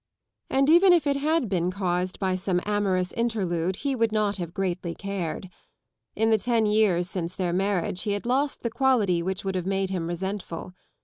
And even if it had been caused by some amorous interlude he would not have greatly cared. In the ten years since their marriage he had lost the quality which would have made him resentful.